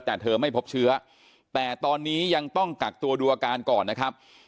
แต่เธอไม่พบเชื้อแต่ตอนนี้ยังต้องกักตัวดูอาการก่อนนะครับ